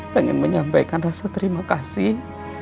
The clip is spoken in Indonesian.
pengen menyampaikan rasa terima kasih